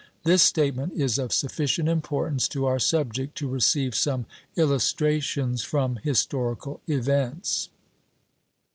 This statement is of sufficient importance to our subject to receive some illustrations from historical events.